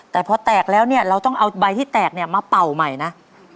แต่พอแตกแล้วเนี่ยเราต้องเอาใบที่แตกเนี่ยมาเป่าใหม่นะ